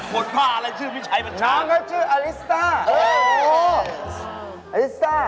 มันบอกว่าชื่อว่าไม่ใช่เป้าซ่า